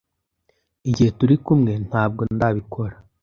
Igihe turi kumwe nabwo ndabikora